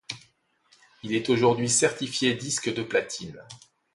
Il est aujourd'hui certifié disque de platine.